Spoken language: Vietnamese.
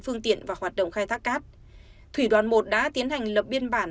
phương tiện và hoạt động khai thác cát thủy đoàn một đã tiến hành lập biên bản